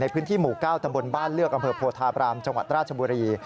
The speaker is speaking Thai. พื้นที่หมู่๙ตำบลบ้านเลือกอำเภอโพธาบรามจังหวัดราชบุรี